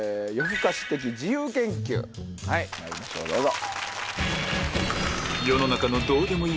まいりましょうどうぞ。